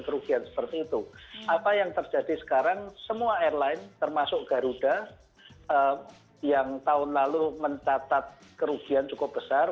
kerugian seperti itu apa yang terjadi sekarang semua airline termasuk garuda yang tahun lalu mencatat kerugian cukup besar